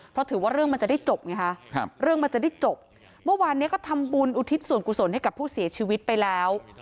เพราะถือว่าเรื่องมันจะได้จบไงคะเรื่องมันจะได้จบเมื่อวานนี้ก็ทำบุญอุทิศส่วนกุศลให้กับผู้เสียชีวิตไปแล้ว